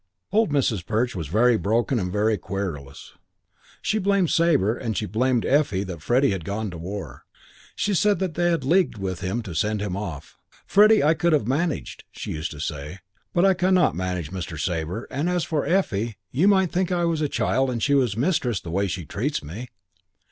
Old Mrs. Perch was very broken and very querulous. She blamed Sabre and she blamed Effie that Freddie had gone to the war. She said they had leagued with him to send him off. "Freddie I could have managed," she used to say; "but you I cannot manage, Mr. Sabre; and as for Effie, you might think I was a child and she was mistress the way she treats me."